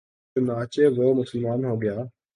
چنانچہ وہ مسلمان ہو گیا